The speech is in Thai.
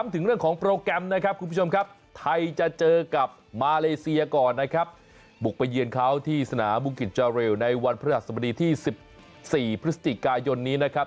ไทยจะเจอกับมาเลเซียก่อนนะครับบุกประเยียนเขาที่สนาบุงกิจเจ้าเรียลในวันพระธรรมดีที่๑๔พฤศจิกายนนี้นะครับ